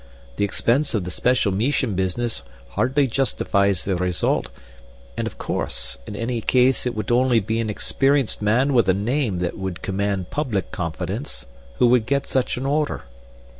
The expense of the 'special meesion' business hardly justifies the result, and, of course, in any case it would only be an experienced man with a name that would command public confidence who would get such an order.